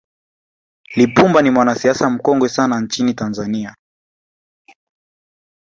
lipumba ni mwanasiasa mkongwe sana nchini tanzania